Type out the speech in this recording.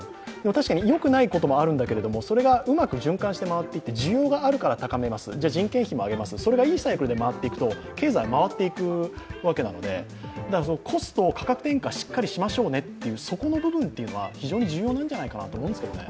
確かによくないことももちろんあるんだけれども、それがうまく循環して回っていって需要があるから高めます、人件費も高めます、それがいいサイクルで回っていくと経済も回っていくのでコスト、価格転嫁しっかりしましょうねというそこの部分は、非常に重要なんじゃないかなと思いますけどね。